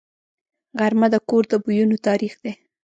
غرمه د کور د بویونو تاریخ دی